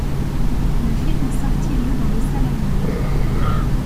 Le film est sorti le dans les salles allemandes.